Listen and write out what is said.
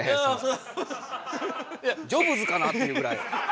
ジョブズかなっていうぐらい。